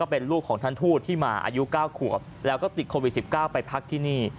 เป็นลูกของท่านทูตที่มาอายุ๙ขวบแล้วก็ติดโควิด๑๙ไปพักที่นี่